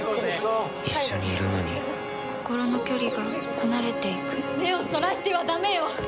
一緒にいるのに心の距離が離れていく目をそらしてはダメよ。